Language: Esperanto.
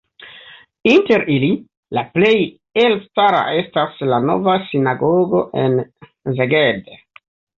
Inter ili la plej elstara estas la nova sinagogo en Szeged.